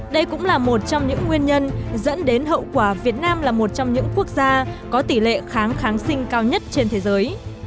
đây cũng là một trong những nguyên nhân dẫn đến hậu quả việt nam là một trong những quốc gia có tỷ lệ kháng kháng sinh cao nhất trên thế giới